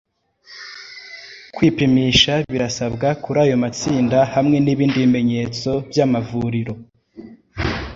Kwipimisha birasabwa kuri ayo matsinda hamwe nibindi bimenyetso byamavuriro